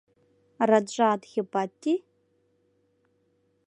— Раджа Адхипатти?